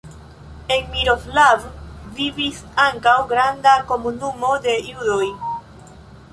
En Miroslav vivis ankaŭ granda komunumo de judoj.